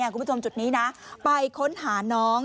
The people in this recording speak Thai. คุณผู้ชมจุดนี้นะไปค้นหาน้อง